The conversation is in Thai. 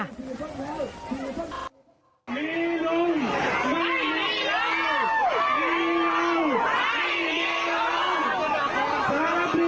มีลุงไม่มีน้องมีเงาไม่มีน้อง